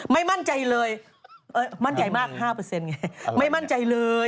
ไม่มั่นใจเลยมั่นใจมาก๕ไงไม่มั่นใจเลย